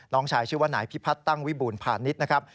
น้องชายชื่อว่าไหนพี่พัดตั้งวิบูรณ์พาณิชย์นะครับ